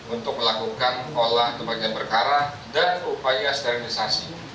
untuk melakukan olah kebagian berkarah dan upaya sterilisasi